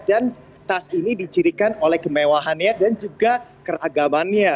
dan tas ini dicirikan oleh kemewahannya dan juga keragamannya